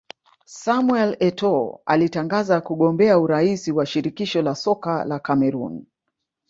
Samuel Etoo alitangaza kugombea urais wa Shirikisho la Soka la Cameroon